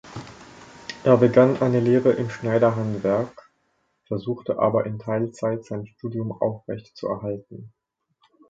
Er begann eine Lehre im Schneiderhandwerk, versuchte aber in Teilzeit, sein Studium aufrechtzuerhalten.